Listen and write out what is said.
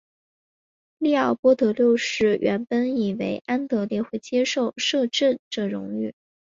利奥波德六世原本以为安德烈会接受摄政这荣誉。